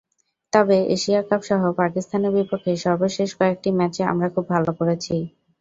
তবে এশিয়া কাপসহ পাকিস্তানের বিপক্ষে সর্বশেষ কয়েকটি ম্যাচে আমরা খুব ভালো করেছি।